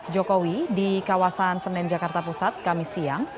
jokowi di kawasan senin jakarta pusat kamis siang